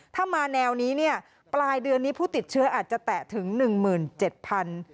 ถ้ามาแนวนี้เนี่ยปลายเดือนนี้ผู้ติดเชื้ออาจจะแตะถึงหนึ่งหมื่นเจ็ดพัน